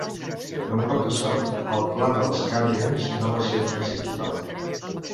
En un cop de sort, el pla dels Kadrians no va ser un èxit total.